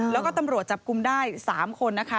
แล้วก็ตำรวจจับกลุ่มได้๓คนนะคะ